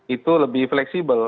itu lebih fleksibel